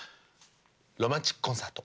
「ロマンチックコンサート」。